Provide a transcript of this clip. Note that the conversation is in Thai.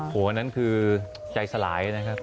หัวนั้นคือใจสลายนะครับ